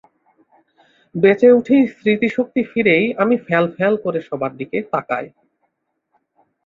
বেঁচে উঠেই স্মৃতিশক্তি ফিরেই আমি ফ্যাল ফ্যাল করে সবার দিকে তাকায়।